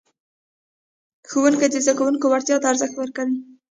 ښوونکي د زده کوونکو وړتیا ته ارزښت ورکولو.